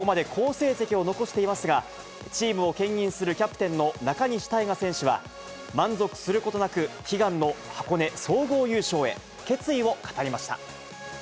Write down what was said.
ここまで好成績を残していますが、チームをけん引するキャプテンの中西大翔選手は、満足することなく、悲願の箱根総合優勝へ、決意を語りました。